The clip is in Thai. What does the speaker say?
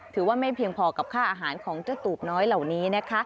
ถือว่าไม่เพียงพอกับค่าอาหารของเจ้าตูบน้อยเหล่านี้นะคะ